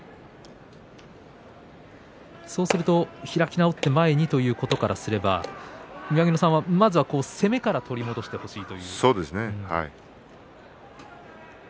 そうすると開き直って前にということからすれば宮城野さんは、まず攻めから取り戻してほしいと。